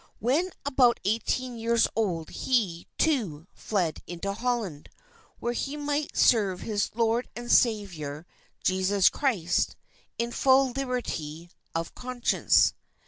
When about eighteen years old, he, too, fled into Holland, where he might serve his Lord and Saviour Jesus Christ, in full liberty of conscience.